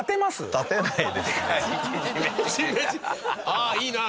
「ああいいな。